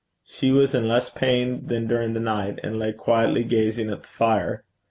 She was in less pain than during the night, and lay quietly gazing at the fire.